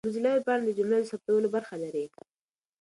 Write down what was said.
موزیلا ویبپاڼه د جملو د ثبتولو برخه لري.